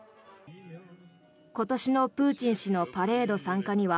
今年のプーチン氏のパレード参加には